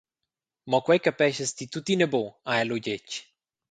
Mo quei capeschas ti tuttina buc», ha el lu detg.